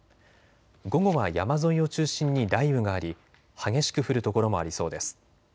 午後は山沿いを中心に雷雨があり激しく降る所もありそうです。